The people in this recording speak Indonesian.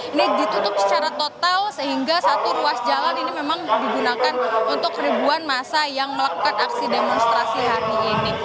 ini ditutup secara total sehingga satu ruas jalan ini memang digunakan untuk ribuan masa yang melakukan aksi demonstrasi hari ini